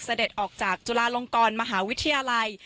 เสด็จออกจากจุฬาลงกรมหาวิทยาลัย